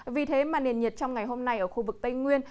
vì thế mà nền nhiệt trong ngày hôm nay ở khu vực tây nguyên